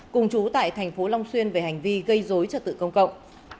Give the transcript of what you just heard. cùng chú tại tp long xuyên về hành vi gây dối cho tự công cộng